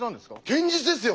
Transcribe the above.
堅実ですよ